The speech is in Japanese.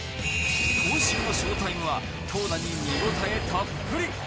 今週のショータイムは投打に見応えたっぷり。